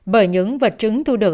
bởi những vật chứng thu được